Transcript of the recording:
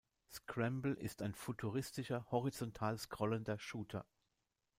Scramble ist ein futuristischer, horizontal-scrollender Shooter.